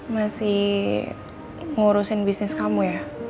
masih ngurusin bisnis kamu ya